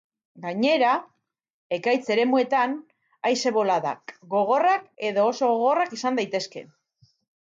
Gainera, ekaitz-eremuetan haize-boladak gogorrak edo oso gogorrak izan daitezke.